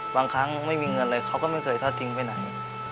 บางครั้งไม่มีเงินเลยเขาก็ไม่เคยทอดทิ้งไปไหน